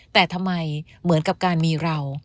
แต่ทำไมเหมือนกับการมีเรา